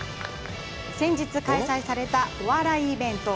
先日、開催されたお笑いイベント。